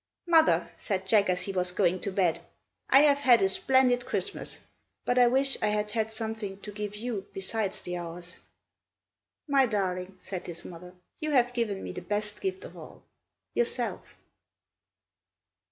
"Mother," said Jack as he was going to bed, "I have had a splendid Christmas, but I wish I had had something to give you besides the hours." "My darling," said his mother, "you have given me the best gift of all, yourself!"